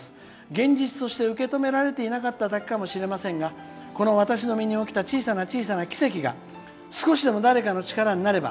現実として受け止めきれていなかっただけかもしれませんが私の身に起こった小さな奇跡が少しでも誰かの力になれば。